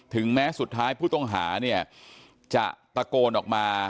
ถึงแม้สุดท้ายผู้ต้องหาจะตะโกนออกมา